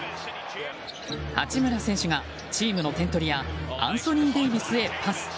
八村選手が、チームの点取り屋アンソニー・デイビスへ、パス。